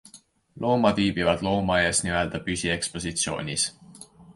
Loomad viibivad loomaaias n-ö püsiekspositsioonis.